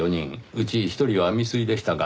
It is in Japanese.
うち１人は未遂でしたが。